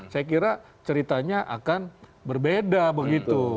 saya kira ceritanya akan berbeda begitu